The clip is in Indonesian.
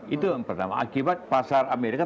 itu yang pertama akibat pasar amerika